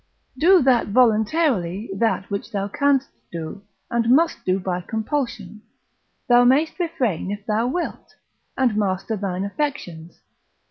Do that voluntarily then which thou canst do, and must do by compulsion; thou mayst refrain if thou wilt, and master thine affections.